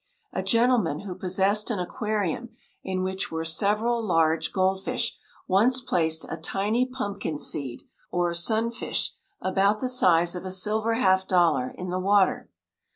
A gentleman who possessed an aquarium in which were several large gold fish, once placed a tiny "pumpkin seed," or sunfish, about the size of a silver half dollar, in the water.